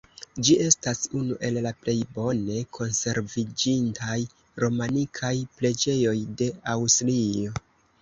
Ĝi estas unu el la plej bone konserviĝintaj romanikaj preĝejoj de Aŭstrio.